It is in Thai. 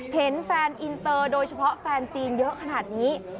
เห็นแฟนอินเตอร์โดยเฉพาะแฟนจีนเยอะขนาดนี้